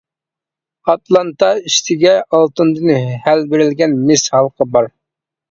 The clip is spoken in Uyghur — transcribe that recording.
ئاتلانتا ئۈستىگە ئالتۇندىن ھەل بېرىلگەن مىس ھالقا بار.